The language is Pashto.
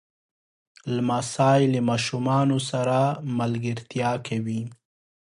لمسی له ماشومانو سره ملګرتیا کوي.